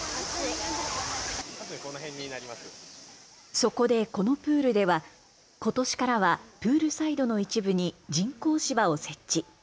そこでこのプールではことしからはプールサイドの一部に人工芝を設置。